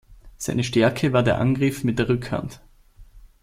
Seine Stärke war der Angriff mit der Rückhand.